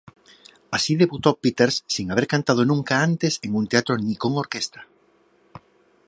Así debutó Peters sin haber cantado nunca antes en un teatro ni con orquesta.